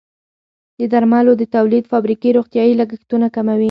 د درملو د تولید فابریکې روغتیايي لګښتونه کموي.